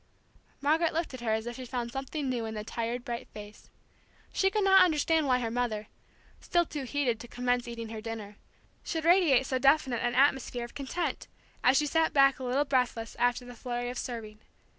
Margaret looked at her as if she found something new in the tired, bright face. She could not understand why her mother still too heated to commence eating her dinner should radiate so definite an atmosphere of content, as she sat back a little breathless, after the flurry of serving.